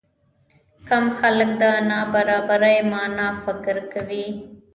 کم خلک د نابرابرۍ معنی فکر کوي.